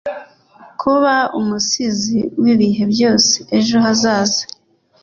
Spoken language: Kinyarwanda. kuba umusizi w'ibihe byose ejo hazaza